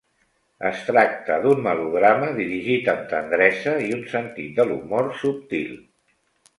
Es tracta d'un melodrama dirigit amb tendresa i un sentit de l’humor subtil.